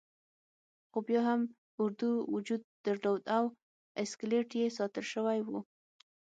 خو بیا هم اردو وجود درلود او اسکلیت یې ساتل شوی وو.